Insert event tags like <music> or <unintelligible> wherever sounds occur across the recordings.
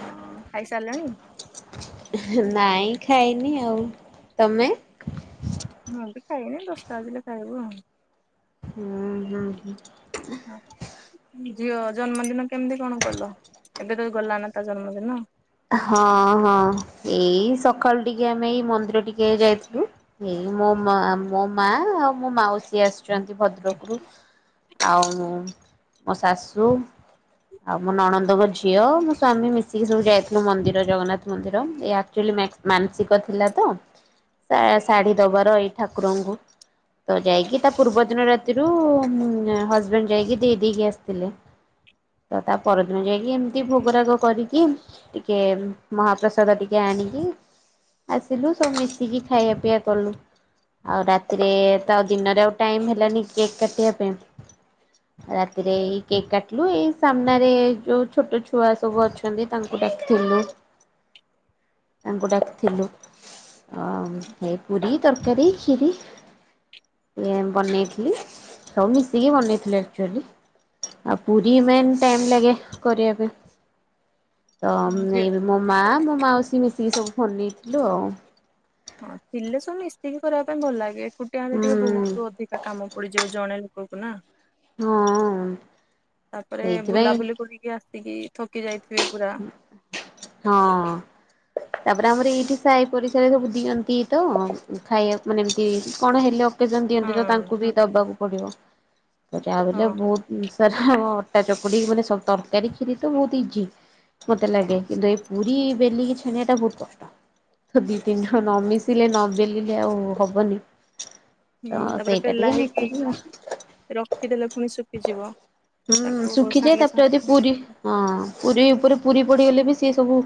ହଁ ଖାଇସାରିଲଣି? ନାଇଁ ଖାଇନି ଆଉ, ତମେ? ମୁଁ ବି ଖାଇନି, ଦଶଟା ବଜିଲେ ଖାଇବୁ ହଁ। ହୁଁ ହୁଁ ହୁଁ। ଝିଅ ଜନ୍ମଦିନ କେମିତି କଣ କଲ? ଏବେ ତ ଗଲା ନା ତା ଜନ୍ମଦିନ? ହଁ ହଁ, ଏଇ ସକାଳୁ ଟିକେ ଆମେ ଏଇ ମନ୍ଦିର୍ ଟିକେ ଯାଇଥିଲୁ ଏଇ ମୋ ମୋ ମା ଆଉ ମୋ ମାଉସ୍ ସି ଆସିଚନ୍ତି ଭଦ୍ରକରୁ, ଆଉ ମୋ ଶାଶୁ, ଆଉ ମୋ ନଣନ୍ଦଙ୍କ ଝିଅ, ମୋ ସ୍ଵାମୀ ମିଶିକି ସବୁ ଯାଇଥି- ମନ୍ଦିର, ଜଗନ୍ନାଥ ମନ୍ଦିର୍, ଏ ଆକଚୁଆଲି ମା ମାନସିକ ଥିଲା ତ ଶା ଶାଢ଼ୀ ଦବାର ଏଇ ଠାକୁରଙ୍କୁ। ତ ଯାଇକି ତା ପୂର୍ବ ଦିନ ରାତିରୁ, ହଜବ୍ୟଣ୍ଡ୍ ଯାଇକି ଦେଇ ଦେଇକି ଆସିଥିଲେ। ତ ତା ପରଦିନ ଯାଇକି ଏମିତି ଭୋଗରାଗ କରିକି ଟି ଟିକେ ମହାପ୍ରସାଦ ଟିକେ ଆଣିକି ଆସିଲୁ, ସବୁ ମିଶିକି ଖାଇବା ପିଇବା କଲୁ। ଆଉ ରାତିରେ ତ ଆଉ ଦିନରେ ଆଉ ଟାଇମ୍ ହେଲାନି କେକ୍ କାଟିବା ପାଇଁ <inaudible> ରାତିରେ ଏଇ କେକ୍ କାଟିଲୁ, ଏଇ ସାମ୍ନାରେ ଯୋଉ ଛୋଟ ଛୁଆ ସବୁ ଅଛନ୍ତି ତାଙ୍କୁ ଡାକ୍ ଥିଲୁ, ତାଙ୍କୁ ଡାକିଥିଲୁ। ଅ ଏଇ ପୁରୀ, ତରକାରୀ, ଖିରି ଏ ବନେଇଥିଲି, ସବୁ ମିଶିକି ବନେଇଥିଲି ଆକ୍ ଚୁଆଲି ଆଉ ପୁରୀ ମେନ୍ ଟାଇମ୍ ଲାଗେ କରିବା ପାଇଁ। ତ ଝିଅ ଏ ମୋ ମାଆ ମୋ ମାଉସି ମିଶିକି ସବୁ ବନେଇଥିଲୁ ଆଉ। ହଁ ଥିଲେ ସବୁ ମିଶିକି କରିବା ପାଇଁ ଭଲ ଲାଗେ, ଏକୁଟିଆ ହେଲେ ଟିକେ ହୁଁ ବହୁତ ଅଧିକ୍ କାମ ପଡିଯାଉ, ଜଣେ ଲୋକକୁ ନା? ହଁ ତାପରେ ସେଇଥିପାଇଁ ବୁଲାବୁଲି କରିକି ଆସିକି ଥକିଯାଇଥିବେ ପୁରା। ହଁ। ତାପରେ ଆମର ଏଇଠି ସାହିପଡିଶା ସବୁ ଦିଅନ୍ତି ତ ଖାଇବା, ମାନେ ଏମିତି କଣ ହେଲେ, ଅକ୍ ଅକେଜନ୍, ହଁ ଦିଅନ୍ତି ତ, ତାଙ୍କୁ ବି ଦବାକୁ ପଡିବ, ତ ଯା ବି ହଁ ହେଲେ ବହୁତ୍ ସାର୍ ଅଟା ଚକୁଡ଼ିକି, ମାନେ ସବୁ ତରକାରୀ କ୍ଷୀରି ତ ବହୁତ ଇଜି। ମତେ ଲାଗେ କିନ୍ତୁ ଏଇ ପୁରୀ ବେଲିକି ଛାଣିବାଟା ବହୁତ କଷ୍ଟ। ତ ଦି ତିନି ଜଣ ନ ମିିଶିଲେ, ନ ବେଲିଲେ, ଆଉ ହବନି। ତ ହୁଁ ତାପରେ ସେଇଟା ବେଲା ଟିକେ ହେଇକି ମିଶିକି ରଖିଦେଲେ ପୁଣି ଶୁଖିଯିବ। ହୁଁ ତାକୁ ଶୁଖିଯାଏ ସାଙ୍ଗେ ତାପରେ ଯଦି ସାଙ୍ଗେ ପୁରୀ ହଁ ପୁରୀ ଉପରେ ପୁରୀ ପଡିଗଲେ ବି ସିଏ ସବୁ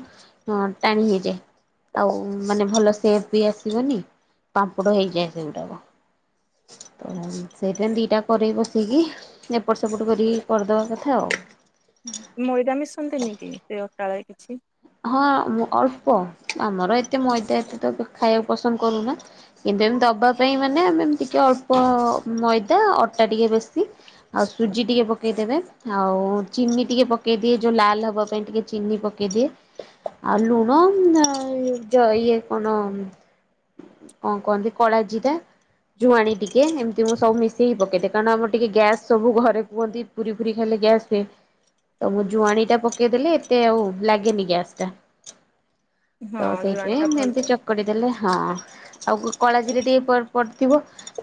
ଟାଣି ନେଇଯାଏ। ଆଉ ମାନେ ଭଲ ସେପ ବି ଆସିବନି ପାମ୍ପଡ ହେଇଯାଏ ସେଗୁଡାକ। ତ ସେଇଥିାପାଈଁ ଦିଟା କରେ ବସେଇିକି। ଏପଟ ସେପଟ କରି କରିଦବା କଥା ଆଉ। ମଇଦା ମିଶନ୍ତିନି କି ସେ ଅଟାରେ କିଛି ହଁଁ ଅଳ୍ପ ଆମର ଏତେ ମଇଦା ଏତେ ତ ଖାଇବାକୁ ପସନ୍ଦ କରୁନା। କିନ୍ତୁ ଏମତି ଦବା ପାଇଁ ମାନେ ଆମେ ଏତିିକେ ଅଳ୍ପ ମଇଦା ଅଟା ଟିକେ ବେଶି। ଆଉ ସୁଜି ଟିକେ ପକେଇଦେବେ। ଆଉ ଚିନି ଟିକେ ପକାଇଦିଏ ଯେଉଁ ଲାଲ ହେବା ପାଇଁ ଟିକେ ଚିନି ପକେଇଦିଏ। ଆଉ ଲୁଣ ଇଏ କଣ କଣ କୁହନ୍ତି କଳା ଜୀରା। ଜୁଆଣି ଟିକେ ଏମିତି ମୁଁ ସବୁ ମିଶେଇି ପକେଇଦି ଏ ଏ କାରଣ ଆମର ଟିକେ ଗ୍ୟାସ୍ ସବୁ ଘରେ କୁହନ୍ତି। ପୁରୀ ଫୁରୀ ଖାଇଲେ ଗ୍ୟାସ ହୁଏ ତ ମୁଁ ଜୁଆଣି ଟା ପକେଇଦେଲି ଏତେ ଆଉ ଲାଗେନି ଗ୍ୟାସ୍। ଯା ହଁ ତ ଜୁଆଣି ଟା ସେଇଥିପାଇଁ ମୁ ଏମିତି ଭଲ ଚକଟି ଦେଲେ ହଁ ଆଉ କଳାଜିରା ଟିକେ ପଡିଥିବ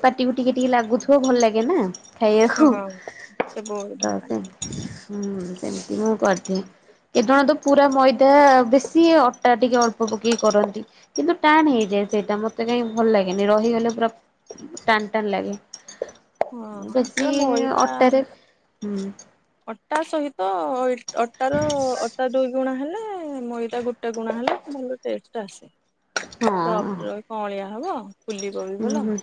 ପାଟିକୁ ଟିକେ ଟିକେ ଲାଗୁଥିବ ଭଲ ଲାଗେ ନା। ଖାଇଵାକୁ ହଁ ସେ ବହୁତ ତ ଭଲ ଲାଗେ ହୁଁ ସେମତି ମୁଁ କରିଥାଏ କେତ ଜଣ ତ ପୁରା ମଇଦା? ତ ବେଶି ଅଟା ଟିକେ ଅଳ୍ପ ପକେଇ କରନ୍ତି। କିନ୍ତୁ ଟାଣ ହେଇଯାଏ ସେଇଟା ମତେ କାହିଁକି ଭଲ ଲାଗେନି ରହିଗଲେ ପୁରା? ଟାଣ ଟାଣ ଲାଗେ ହଁ ବେଶି ସେ ମଇଦା ଅଟାରେ ହୁଁ? ଅଟା ସହିତ ଅଟାର ଅଟା ଦୁଇ ଗୁଣା ହେଲେ ମଇଦା? ଟା ଗୋଟେ ଗୁଣା ହେଲା ଭଲ ଟେଷ୍ଟ ଆସେ ହଁ ସଫ୍ଟରହି କଅଁଳିଆ ହବ। ଫୁଲିବ ବି ହୁଁ ଭଲ ହୁଁ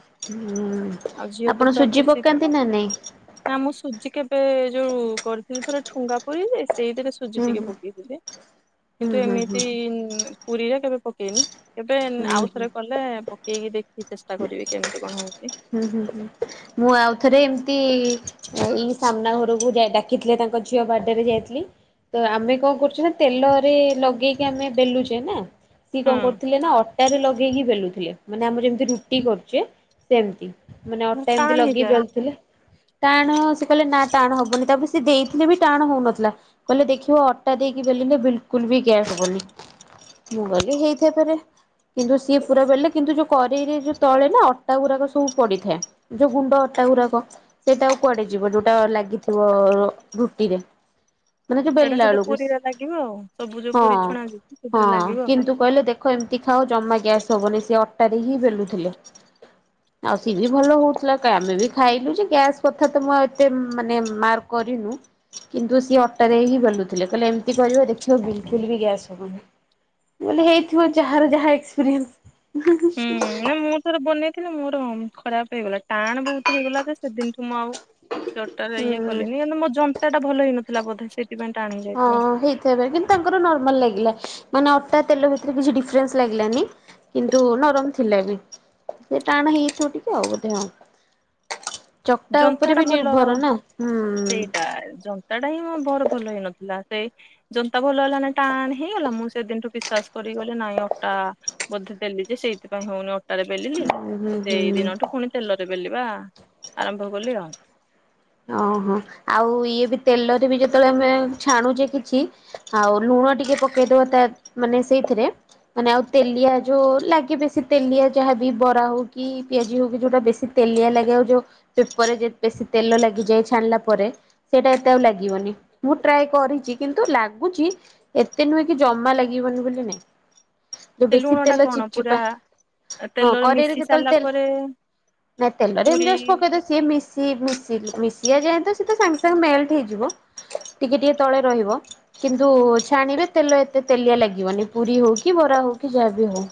ହୁଁ ଆଉ ଝିଅ ତ ଆପଣ ପୁରା ସୁଜି ଖୁସି ପକାନ୍ତି ଥିବ। ନା ନାଇଁ? ନା ମୁଁ ସୁଜି କେବେ ଯୋଉ କରିଥିଲି ଥରେ ଠୁଙ୍ଗା ପୁରି ଯେ ସେଇଥିରେ? ସୁଜି ହୁଁ ଟିକେ ହୁଁ ପକେଇଥିଲି କିନ୍ତୁ ହୁଁ ହୁଁ ଏମିତି ପୁରୀରେ କେବେ ପକେଇନି। କେବେ ନ୍ ହୁଁ ହୁଁ ଆଉ ହୁଁ। ଥରେ କଲେ। ପକେଇକି ଦେଖିକି ଚେଷ୍ଟା କରିବି। କେମିତି କଣ ହୋଉଛି? ହୁଁ ହୁଁ ହୁଁ। ମୁଁ ଆଉ ଥରେ ଏମିତି? ଆଉ ଏଇ ସାମ୍ନା ଘରକୁ ଯାଇ ଡାକିଥିଲେ। ତାଙ୍କ ଝିଅ ବାର୍ଥଡେ ରେ ଯାଇଥିଲି। ତ ଆମେ କଣ କରୁଛୁ ନା? ତେଲରେ ଲଗେଇକି ଆମେ ବେଲୁଚେ ନା? ସିଏ କଣ ହଁ କରୁଥିଲେ ନା? ଅଟାରେ ଲଗେଇକି ବେଲୁଥିଲେ। ମାନେ ଆମର ଯେମିତି ରୁଟି କରୁଚେ ସେମିତି। ମାନେ ଅଟା ଏମତି ଟାଣ ଲଗେଇକି ହେଇଯାଏ ବେଲୁଥିଲେ। ଟାଣେ ହୋଉଛି? ସେ କହିଲେ ନା ଟାଣ ହବନି। ତାପରେ ସେ ଦେଇଥିଲେ ବି ଟାଣେ ହୋଉନଥିଲା। କହିଲେ ଦେଖିବ। ଅଟା ଦେଇକି ବେଲିଲେ ବିଲକୁଲ୍ ବି ଗ୍ୟାସ୍ ହବନି। ମୁଁ କହିଲି ହେଇ ଥାଇପାରେ। କିନ୍ତୁ, ସିଏ ପୁରା ବେଲିଲେ। କିନ୍ତୁ, ଯୋଉ କରେଇରେ ଯୋଉ ତଳେ ନା। ଅଟା ଗୁରାକ ସବୁ ପଡ଼ିଥାଏ। ଯୋଉ ଗୁଣ୍ଡ ଅଟା ଗୁଡ଼ାକ। ସେଇଟା ଆଉ କୁଆଡେ ଯିବ। ଯୋଉଟା ଲାଗିଥିବ ରୁଟିରେ। ମାନେ ସେଇଟା ବେଲିଲା ସହିତ ବେଳକୁ। ପୁରୀରେ ଲାଗିବ ଆଉ ସବୁ ଯୋଉ ହଁ ପୁରୀ ଛଣା ଯିବ ସେଥିରେ ହଁ। ଲାଗିବ ଆଉ। କିନ୍ତୁ,? କହିଲେ ଦେଖ ଏମିତି ଖାଅ। ଜମା ଗ୍ୟାସ୍ ହବନି। ସେ ଅଟାରେ ହିଁ ବେଲୁ ଥିଲେ। ଆଉ ସିଏ ବି ଭଲ ହୋଉଥିଲା। କାଇଁ ଆମେ ବି ଖାଇଲୁ ଯେ, ଗ୍ୟାସ୍ କଥା ତ ମୁଁ ଆଉ ଏତେ ମାନେ ମାର୍କ କରିନୁ। କିନ୍ତୁ, ସିଏ ଅଟା ଦେଇ ହିଁ ବେଲୁଥିଲେ। କହିଲେ ଏମିତି କରିବ। ଦେଖିବ ବିଲକୁଲ୍ ବି ଗ୍ୟାସ୍ ହବନି। ମୁଁ କହିଲି ହେଇଥିବ। ଯହାର ଯାହା ଏକ୍ସପିରିଏନ୍ସ। ହୁଁ। ନା ମୁଁ ଥର ବନେଇ ଥିଲି। ମୋର ଖରାପ୍ ହେଇନ? ଟାଣେ ବୋହୁତ୍ ହେଇଗଲା। ଯେ, ସେ ଦିନଠୁ ମୁଁ ଆଉ ଅଟାରେ ଇଏ ହୁଁ କଲିନି। କିନ୍ତୁ, ମୋ ଜନ୍ତା ଟା ଭଲ ହେଇ ନଥିଲା। ଥିଲା ବୋଧେ। ସେଥିପାଇଁ ଟାଣେ ହେଇ ଯାଇଥିବ। ସେୟା ପା କିନ୍ତୁ, ତାଙ୍କର ନର୍ମାଲ୍ ଲାଗିଲା। ମାନେ ଅଟା ତେଲ ଭିତରେ କିଛି ଡିଫରେନ୍ସ ଲାଗିଲାନି। କିନ୍ତୁ, ନରମ ଥିଲା ବି। ସେ ଟାଣେ ହେଇଥିବ ଟିକେ ଆଉ। ବୋଧେ ଆଉ। ଚକଟା ଜନ୍ତା ଉପରେ ଟା ବି ଭଲ। ନିର୍ଭର ନା ହୁଁ ସେଇଟା ଜ ନ୍ତା ହିଁ ମୋ ଭର୍ ଭଲ ହେଇ ନଥିଲା। ସେଇ ଜନ୍ତା ଭଲ ହେଲାନି ଟାଣେ ହେଇଗଲା ମୁଁ ସେ ଦିନଠୁ ବିଶ୍ଵାସ କରିକି କହିଲି ନାଇଁ ଅଟା ବୋଧେ ଦେଲି ଯେ, ସେଇଥିପାଇଁ ହୋଉନି ଅଟାରେ ବେଲିଲି ହୁଁ ହୁଁ ସେଇ ହୁଁ। ଦିନଠୁ ପୁଣି ତେଲରେ ବେଲିବା ଆରମ୍ଭ କଲି ଆଉ। ଅଂହଁ। ଆଉ ଇଏ ବି ତେଲରେ ବି ଯେତେବେଳେ ଆମେ ଛାଣୁଛେ କିଛି। ଆଉ ଲୁଣ ଟିକେ ପକେଇ ଦବା ତା ମାନେ ସେଇଥିରେ। ମାନେ ଆଉ ତେଲିଆ ଯୋଉ ଲାଗେ ବେଶୀ ତେଲିଆ ଯାହାବି। ବରା ହଉ କି ପିଆଜି ହୋଉ କି ଯୋଉଟା ବେଶୀ ତେଲିଆ ଲଗେ। ଆଉ ଯୋଉ ପେବର୍ ରେ ଯେହେତୁ ବେଶୀ ତେଲ ଲା ଗି ଯାଏ ଛାଣିଲା ପରେ। ସେଇଟା ଏତେ ଆଉ ଲାଗିବନି। ମୁଁ ଟ୍ରାଏ କରିଛି କିନ୍ତୁ, ଲାଗୁଚି। ଏତେ ନୁହେଁ କି, ଜମା ଲାଗିବନି ବୋଲି ନାଇଁ। ଯୋଉ ସେ ବେଶୀ ଲୁଣ ଟା ତେଲ ଚିପ୍ କଣ ଚିପ୍ପା ପୁରା ହଁ ତେଲରେ କରେଇରେ ମିଶି ଯେତେବେଳେ ସାରିଲା ତେଲ ପରେ ନାଇଁ ତେଲରେ ପୁରୀ ଏମତି ଜଷ୍ଟ୍ ପକେଇ ଦିଏ ସିଏ ମିଶି ମିଶି ଆଉ ମିଶିବା ଯାଏ ତ ସେ ତ ସାଙ୍ଗେ ସାଙ୍ଗେ ମେଲ୍ଟ ହେଇଯିବ ଟିକେ ଟିକେ ତଳେ ରହିବ। କିନ୍ତୁ ଛାଣିଲେ ତେଲ ଏତେ ତେଲିଆ ଲାଗିବନି। ପୁରୀ ହୋଉ କି, ବରା ହୋଉ କି, ଯାହାବି ହୋଉ।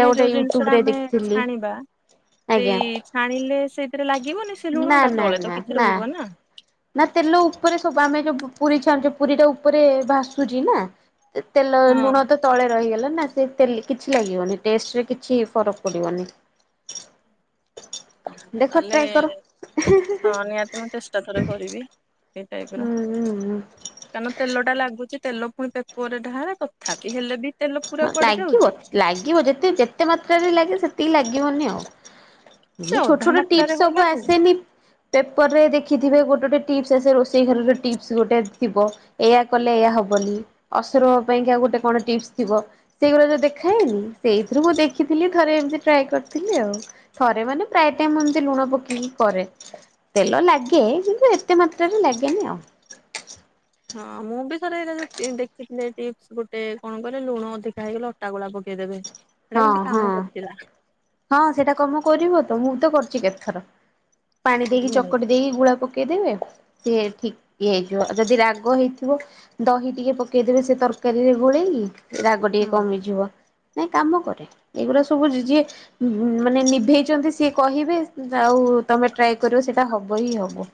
ନାଇଁ ଯୋଉ ଜିନିଷ ଟା ଆମେ ଛାଣିବା। ଆଜ୍ଞା ସେଇ ଛାଣିଲେ ସେଇଥିରେ ଲାଗିବନି ସେ ଲୁଣ ନା ଟା ନା ତଳେ ନା ତ କିଛି ରହିବ ନା? ନା ତେଲ ଉପରେ ସବୁ ଆମେ ଯୋଉ ପୁପ୍ ପୁରୀ ଛାଣୁଛେ ପୁରୀ ଟା ଉପରେ ଭାସୁଛି ନା? ଏ ତେଲ, ଲୁଣ ହଁ। ତ ତଳେ ରହିଗଲା ନା ସେ ଦେଲ୍ କିଛି ଲାଗିବନି ଟେଷ୍ଟରେ କିଛି ଫରକ୍ ପଡିବନି। <inaudible> ଦେଖ ତାହେଲେ ଟ୍ରାଏ କର। ହଁ ନିହାତି ମୁଁ ଚେଷ୍ଟା ଥରେ କରିବି ଏ ଟାଇପ୍ ହୁଁ ର। ହୁଁ କାରଣ ତେଲ ଟା ଲାଗୁଚି ତେଲ ଫୁଣି ପେପରରେ ଢାଳେ। ତଥାପି ହେଲେ ବି ତେଲ ପୁରା ହଁ କୁଆଡେ ଯାଉଛି ଲାଗିବ ଲାଗିବ ଯେତେ ଯେତେ ମାତ୍ରାରେ ଲାଗେ ସେତିକି ଲାଗିବନି ଆଉ। ସେ ଇଏ ଛୋଟ୍ ଅଧା ଛୋଟ୍ ମାତ୍ରାରେ ଟିପ୍ସ ହଉ ସବୁ ଲାଗୁ ଆସେନି ପେପର ରେ ଦେଖିଥିବେ ଗୋଟେ ଗୋଟେ ଟିପ୍ସ ଆସେ ରୋଷେଇ ଘରର ଟିପ୍ସ ଗୋଟେ ଥିବ। ଏୟଆ କଲେ ଏୟା ହବନି ଅସୁର ପାଇଁ କି ଆଉ ଗୋଟେ କଣ ଟିପ୍ସ ଥିବ ସେଇଗୁରା ଯୋଉ ଦେଖାଏନି ସେଇଥିରୁ ମୁଁ ଦେଖିଥିଲି ଥରେ ଏମିତି ଟ୍ରାଏ କରିଥିଲି ଆଉ। ଥରେ ମାନେ ପ୍ରାୟ ଟାଇମ ଏମିତି ଲୁଣ ପକେଇକି କରେ। ତେଲ ଲାଗେ କିନ୍ତୁ ଏତେ ମାତ୍ରାରେ ଲାଗେନି ଆଉ। ହଁ ମୁଁ ଥରେ ଏରା ଦେଖ୍ ଫ୍ଟନେ ଟିପସ ଗୋଟେ କଣ କହିଲ ଲୁଣ ଅଧିକା ହେଇଗଲେ ଅଟାଗୋଳା ପକେଇଦେବେ। ସେଇଟା ହଁ କିନ୍ତୁ ହଁ କାମ କରିଥିଲା ହଁ ସେଇଟା କାମ କରିବ ତ ମୁଁ ତ କରିଛି କେତେଥର। ପାଣି ଦେଇକି ଚକୁଟି ଦେଇକି ଗୁଳା ପକେଇଦେବେ ସିଏ ଠିକ ହେଇଯିବ ଯଦି ରାଗ ହେଇଥିବ ଦହି ଟିକେ ପକେଇଦେବେ ସେ ତରକାରୀରେ ଗୋଳେଇକି ରାଗ ଟିକେ ହଁ। କମିଯିବ। ନାଇଁ କାମ କରେ ଏଇଗୁଡ଼ା ସବୁ ଜି ଯିଏ ମାନେ ନିଭେଇଛନ୍ତି ସିଏ କହିବେ ଆଉ ତମେ ଟ୍ରାଏ କରିବ ସେଇଟା ହବ ହିଁ ହବ।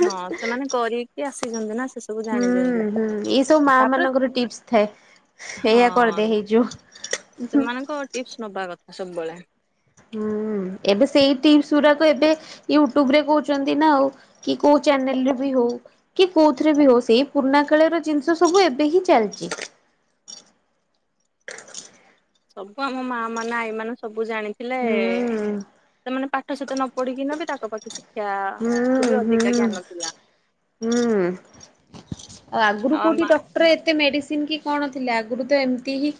ହଁ ସେମାନେ କରିକି ଆସିଛନ୍ତି ନା ସେ ସବୁ ହୁଁ ଜାଣିଛନ୍ତି। ହୁଁ ଏଇସବୁ ମା ତାପରେ ମାନଙ୍କର ଟିପସ। ଥାଏ ଏଇଆ କରିଦେ ହଁ ହେଇଯିବ। ସେମାନଙ୍କ ଟିପ୍ସ ନବା କଥା ସବୁବେଳେ। ହୁଁ ଏବେ ସେଇ ଟିପସ ଗୁଡାକ ଏବେ ୟୁଟ୍ୟୁବରେ କହୁଛନ୍ତି ନା ଆଉ। କି କୋଉ ଚ୍ୟାନଲରେ ବି ହଉ। କି କୋଉଥିରେ ବି ହଉ ସେଇ ପୁରୁଣା କାଳିଆର ଜିନିଷ ସବୁ ଏବେ ହିଁ ଚାଲିଛି। ସବୁ ଆମ ମା ମାନ ଆଈ ମାନ ସବୁ ଜାଣିଥିଲେ। ହୁଁ ସେମାନେ ପାଠ ଶାଠ ନ ପଢିକି ନେବେ ତାଙ୍କ ପାଖେ ଶି ଶିକ୍ଷା ହୁଁ ଠୁ ବି ଅଧିକା ହୁଁ ଜ୍ଞାନ ଥିଲା। ହୁଁ ଆଉ ଆଗରୁ କୋଉଠି ଡକ୍ଟର ଏତେ ମେଡିସିନ କି କଣ ଥିଲା ଆଗରୁ ତ ଏମିତି ହିଁ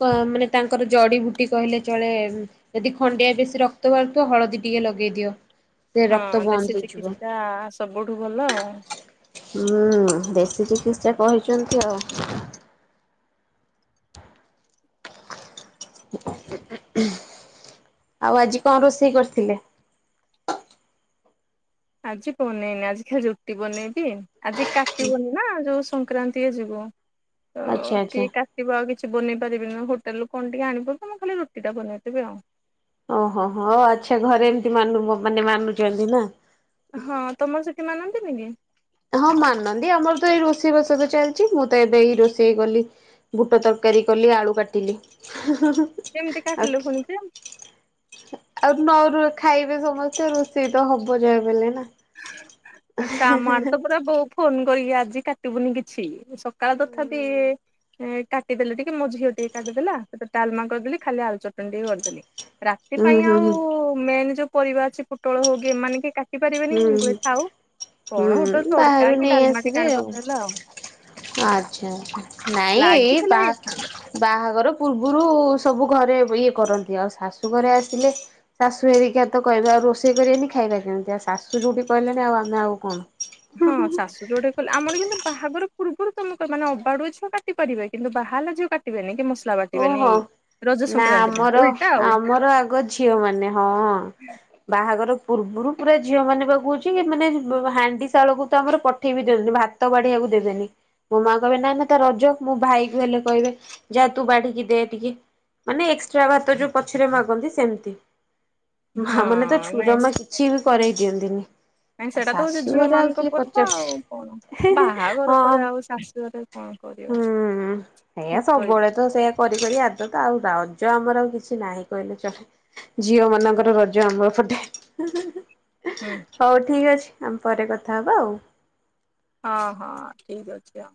ଙ୍କ ମାନେ ତାଙ୍କର ଜଡ଼ିବୁଟି କହିଲେ ଚଳେ। ଯଦି ଖଣ୍ଡିଆ ବେଶୀ ରକ୍ତ ବାହାରୁଥିବ ହଳଦୀ ଟିକେ ଲଗେଇ ଦିଅ। ସେ ହଁ ରକ୍ତ ବନ୍ଦ ଦେଶୀ ହେଇଯିବ। ଚିକିତ୍ସା ସବୁଠୁ ଭଲ। ହୁଁ ଦେଶୀ ଚିକିତ୍ସା କହିଛନ୍ତି ଆଉ। ଆଉ ଆଜି କଣ ରୋଷେଇ କରିଥିଲେ? ଆଜି ବନେଇନି ଆଜି ଖାଲି ରୁଟି ବନେଇବି ଆଜି କାଟିବନି ନା ଯୋଉ ସଂକ୍ରାନ୍ତି ଯିବ। ଆଚ୍ଛା <unintelligible> ଆଚ୍ଛା ରିବ ଆଉ କିଛି ବନେଇ ପାରିବିନି ହୋଟେଲରୁ କଣ ଟିକେ ଆଣିବ ତ ମୁଁ ଖାଲି ରୁଟିଟା ବନେଇଦେବି ଆଉ। ଓହୋ ହୋ ହଁ ଆଚ୍ଛା ଘରେ ଏମିତି ମାନୁ ମାନେ ମାନୁଛନ୍ତି ନା? ହଁ ତମର ସେଠି ମାନନ୍ତିନି କି? ହଁ ମାନନ୍ତି ଆମର ତ ଏଇ ରୋଷେଇ ବାସତ ଚାଲିଛି ମୁଁ ତ ଏବେ ଏଇ ରୋଷେଇ କଲି। ବୁଟ ତରକାରୀ କଲି ଆଳୁ କାଟିଲି। <unintelligible> କେମିତି ଆଉ କାଟିଲୁ ଖୁଣିଜେ? ଆଉ ନରୁର ଖାଇବେ ସମସ୍ତେ ରୋଷେଇ ତ ହବ ଯାହା ବି ହେଲେ ନା। ଆଚ୍ଛା ଆମର ଆଡ଼େ ତ ପୁରା ବୋଉ ଫୋନ କରିକି ଆଜି କାଟିବୁନି କି ଛି ସକାଳ ତଥାପି ଉ କାଟିଦେଲେ ଟିକେ ମୋ ଝିଅ ଟିକେ କାଟି ଦେଲା ସେଟେ ଡ଼ାଲମା କରିଦେଲି ଖାଲି ଆଳୁ ଚଟଣି ଟିକେ କରିଦେଲି। ରାତି ହୁଁ ପାଇଁ ହୁଁ ଆଉ ହୁଁ ମେନ୍ ଯୋଉ ପରିବା ଅଛି ପୋଟଳ ହଉ କିି ଏମାନେ କିଏ କାଟି ପାରିବେନି। କହିଲି ହୁଁ ଥାଉ। କଣ ହୁଁ ଗୋଟେ ତଡକା ବାହାରୁ କି ନେଇ ଡାଲମା ଟିକେ ଆସିବେ ଆଣି ଆଉ। ପକେଇଦେଲା ଆଚ୍ଛା ନାଇଁ ଏଇ ଲାଗିଥିଲେ ବାଥ ହେଇଥାନ୍ତା। ବାହାଘର ପୂର୍ବରୁ ସବୁ ଘରେ ଇଏ କରନ୍ତି ଆଉ ଶାଶୁ ଘରେ ଆସିଲେ ଶାଶୁ ହେରିକି ତ କହିବେ ଆଉ ରୋଷେଇ କରିବେନି ଖାଇବା କେମିତି ଆଉ ଶାଶୁ ଯୋଉଠି କହିଲେଣି ଆଉ ଆମେ ଆଉ କଣ? ହଁ ଶାଶୁ ଯୋଉଟା କହିଲା ଆମର କିନ୍ତୁ ବାହାଘର ପୂର୍ବରୁ ତମେ କ ମାନେ ଅବାଡୁଆ ଝିଅ କାଟି ପାରିବେ କିନ୍ତୁ ବାହା ହେଲା ଝିଅ କା କାଟିବେନି କି ମସଲା ଓ ବାଟିବେନି ହୋ ଏଇ ରଜ ସଂକ୍ରାନ୍ତି ଟା ଉଲଟା ଆଉ। ମୋର ଆଗ ଝିଅ ମାନେ ହଁ। ବାହାଘର ପୂର୍ବରୁ ପୁରା ଝିଅ ମାନେ ପାକୁହୁଛି ମାନେ ହାଣ୍ଡି ଶାଳକୁ ତ ଆମର ପଠେଇବି ଯଦି ଭାତ ତ ବାଢିବାକୁ ଦେବେନି ମୋ ମା କହିବେ ନାଇ ନାଇ ତା ରଜ ମୋ ଭାଇକୁ ହେଲେ କହିବେ ଯାହା ତୁ ବାଢିକି ଦେ ଟିକେ ମାନେ ଏକ୍ସଟ୍ରା ଭାତ ଯୋଉ ପଛରେ ମାଗନ୍ତି ସେମିତି ମା ମାନେ ତ ହଁ ଛୁ ନାଇଁ ଜମା କିଛି ବି କରେଇ ଦିଅନ୍ତିନି। ନାଇଁ ଆଉ ସେଇଟା ତ ହଉଛି ଝିଅ ଶାଶୁଘରେ ଆଉ ମାନଙ୍କ କିଏ ପର୍ବ ଆଉ କଣ ପଚାରୁଛି <unintelligible> ବାହାଘର ହଁ। ପରେ ଆଉ ଶାଶୁଘରେ କଣ କରିବ ହୁଁ ଏଇଆ ଠିକ କହିଲୁ ସବୁବେଳେ ତ ସେଇଆ କରି ଆଦତ ଆଉ ରଜ ଆମର ଆଉ କିଛି ନାହିଁ କହିଲେ ଚଳେ। ଝିଅ ମାନଙ୍କର ରଜ ଆମର ପଟେ। ହୁଁ ହଉ ଠିକ ଅଛି ଆମ ପରେ କଥା ହବା ଆଉ। ହଁ ହଁ ଠିକ୍ ଅଛି ଆଉ।